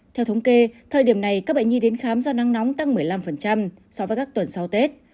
theo thống kê thời điểm này các bệnh nhi đến khám do nắng nóng tăng một mươi năm so với các tuần sau tết